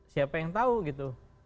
siapa yang tahu gitu